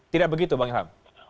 tidak begitu bang ilham